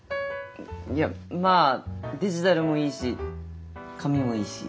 いやまあデジタルもいいし紙もいいし。